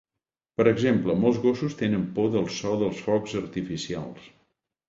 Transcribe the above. Per exemple, molts gossos tenen por del so dels focs artificials.